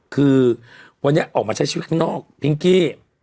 คือวันนี้ออกมาใช้ชีวิตข้างนอกพิงกี้